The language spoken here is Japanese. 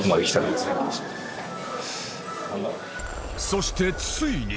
そしてついに！